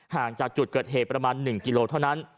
ห่างจากจุดเกิดเหตุประมาณ๑กิโลเท่านั้น